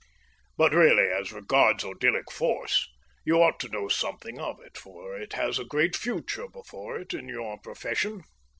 But, really, as regards odyllic force, you ought to know something of it, for it has a great future before it in your profession.